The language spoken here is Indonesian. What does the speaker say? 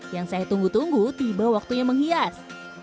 yang saya tunggu tunggu tiba waktunya menghias